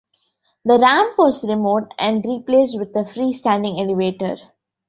The ramp was removed and replaced with a free standing elevator.